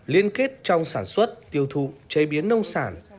liên kết trong sản xuất tiêu thụ chế biến nông sản